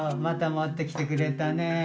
またもってきてくれたね。